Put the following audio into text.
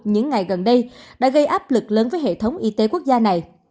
những ngày gần đây đã gây áp lực lớn với hệ thống y tế quốc gia này